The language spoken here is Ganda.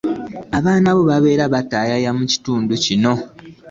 Abaana bo babeera bataayaaya mu kitundu kino.